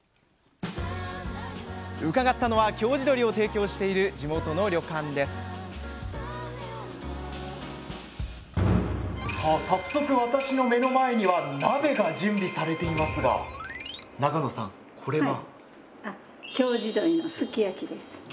伺ったのは京地どりを提供している地元の旅館ですさあ早速私の目の前には鍋が準備されていますが長野さんこれは？